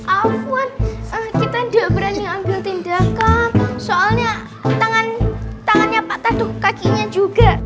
afwan kita nggak berani ambil tindakan soalnya tangannya patah tuh kakinya juga